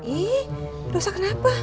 ih dosa kenapa